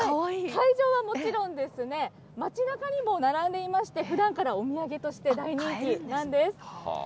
会場はもちろんですね、街なかにも並んでいまして、ふだんからお土産として大人気なんです。